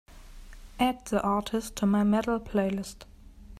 Add the artist to my Metal playlist.